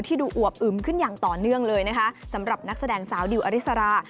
ดูอวบอึมขึ้นอย่างต่อเนื่องเลยนะคะสำหรับนักแสดงสาวดิวอริสรา